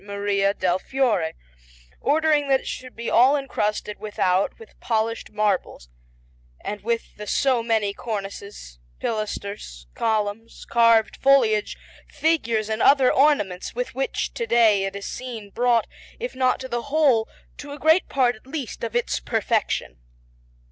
Maria del Fiore, ordering that it should be all incrusted, without, with polished marbles and with the so many cornices, pilasters, columns, carved foliage, figures, and other ornaments, with which to day it is seen brought, if not to the whole, to a great part at least of its perfection.